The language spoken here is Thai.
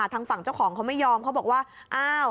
ทางฝั่งเจ้าของเขาไม่ยอมเขาบอกว่าอ้าว